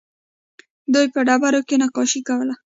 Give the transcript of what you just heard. دوی په ډبرو کې نقاشي کوله